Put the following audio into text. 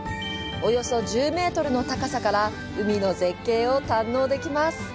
およそ１０メートルの高さから海の絶景を堪能できます。